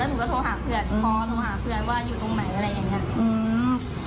หนูก็โทรหาเพื่อนพอโทรหาเพื่อนว่าอยู่ตรงไหนอะไรอย่างเงี้ยอืม